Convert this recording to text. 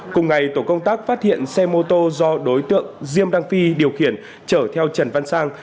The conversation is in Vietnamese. cùng ngày tổ công tác phát hiện xe mô tô do đối tượng diêm đăng phi điều khiển chở theo trần văn sang